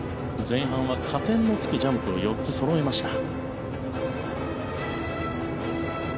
前半は加点のつくジャンプを４つそろえました。